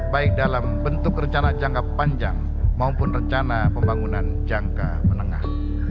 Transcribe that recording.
baik dalam bentuk rencana jangka panjang maupun rencana pembangunan jangka menengah